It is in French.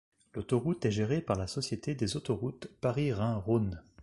L'autoroute est gérée par la société des Autoroutes Paris-Rhin-Rhône.